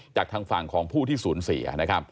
จากทางฝั่งของผู้ที่สูญเสีย